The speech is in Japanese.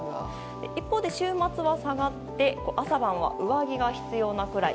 一方で週末は下がって朝晩は上着が必要なくらい。